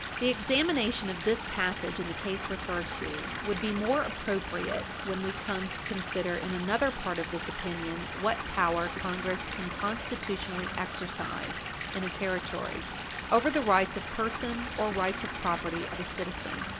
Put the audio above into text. The examination of this passage in the case referred to would be more appropriate when we come to consider in another part of this opinion what power Congress can constitutionally exercise in a Territory, over the rights of person or rights of property of a citizen.